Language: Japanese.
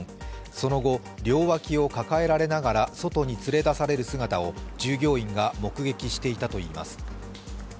その後、両脇を抱えられながら外に連れ出される姿を従業員が目撃していたといいます。